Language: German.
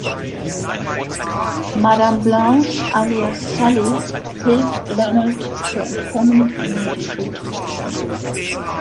Madame Blanche, alias Sally, hilft Leonard zu entkommen und nimmt die Schuld auf sich.